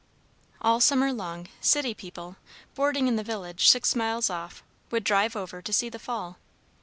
All summer long city people, boarding in the village, six miles off, would drive over to see the fall.